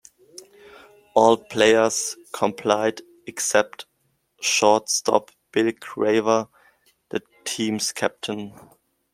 All players complied except shortstop Bill Craver, the team's captain.